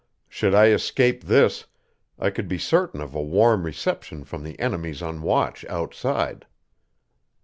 Should I escape this, I could be certain of a warm reception from the enemies on watch outside.